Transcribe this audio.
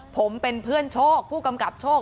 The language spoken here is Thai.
ผมเป็นเพื่อนโชคผู้กำกับโชค